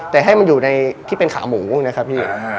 แต่ให้มันอยู่ในที่เป็นขาหมูนะครับพี่